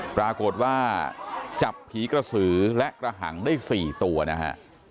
ปรากฏว่าจับผีกระสือและกระหังได้๔ตัวนะฮะ